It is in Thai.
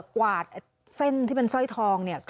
กวาดเส้นที่เป็นสร้อยทองเนี่ย